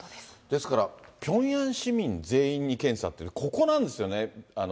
ですから、ピョンヤン市民全員に検査って、ここなんですよね。